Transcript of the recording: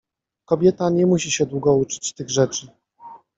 — Kobieta nie musi się długo uczyć tych rzeczy.